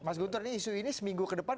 mas guntur ini isu ini seminggu ke depan